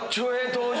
登場。